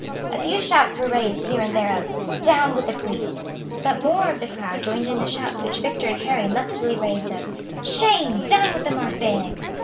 A few shouts were raised here and there of, "Down with the priests!" But more of the crowd joined in the shouts which Victor and Harry lustily raised of, "Shame, down with the Marseillais!"